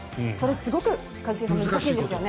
すごく一茂さん難しいんですよね。